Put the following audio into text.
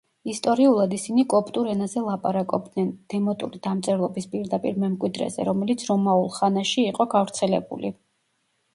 ისტორიულად, ისინი კოპტურ ენაზე ლაპარაკობდნენ, დემოტური დამწერლობის პირდაპირ მემკვიდრეზე, რომელიც რომაულ ხანაში იყო გავრცელებული.